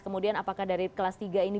kemudian apakah dari kelas tiga ini